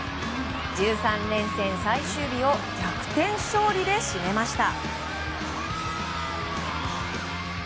１３連戦最終日を逆転勝利で締めました。